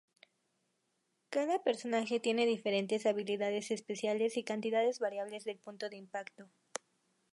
Cada personaje tiene diferentes habilidades especiales y cantidades variables del punto de impacto.